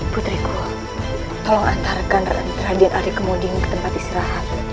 putriku tolong antarkan raden arya kemuning ke tempat istirahat